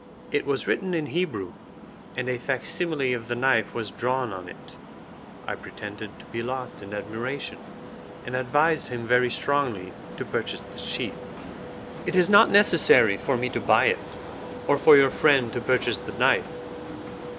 It was written in Hebrew, and a facsimile of the knife was drawn on it. I pretended to be lost in admiration, and advised him very strongly to purchase the sheath. "It is not necessary for me to buy it, or for your friend to purchase the knife.